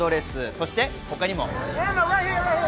そして他にも。